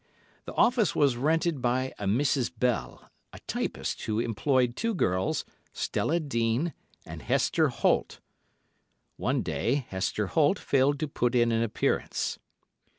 The office was rented by a Mrs. Bell, a typist who employed two girls, Stella Dean and Hester Holt. One day Hester Holt failed to put in an appearance.